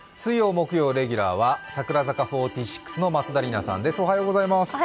木曜レギュラーは櫻坂４６・松田里奈さんです。